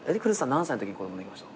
何歳のときに子供できました？